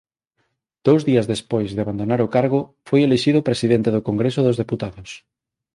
Dous días despois de abandonar o cargo foi elixido Presidente do Congreso dos Deputados.